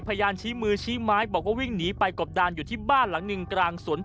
ชี้มือชี้ไม้บอกว่าวิ่งหนีไปกบดานอยู่ที่บ้านหลังหนึ่งกลางสวน